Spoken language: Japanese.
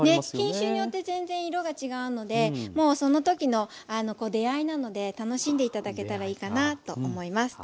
品種によって全然色が違うのでもうその時の出合いなので楽しんで頂けたらいいかなと思います。